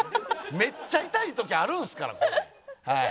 めっちゃ痛い時あるんすからこれはい。